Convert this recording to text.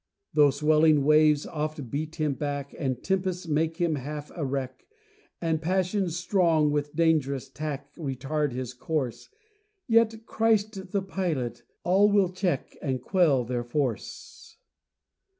Though swelling waves oft beat him back, And tempests make him half a wreck, And passions strong, with dangerous tack, Retard his course, Yet Christ the pilot all will check, And quell their force.